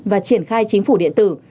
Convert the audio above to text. và triển khai chính phủ điện tử